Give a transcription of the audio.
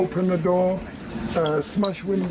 โอเคไม่ต้องห่วง